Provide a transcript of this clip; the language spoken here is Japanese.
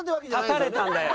絶たれたんだよ。